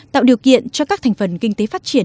tạo điều kiện cho các thành phần kinh tế phát triển